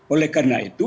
oleh karena itu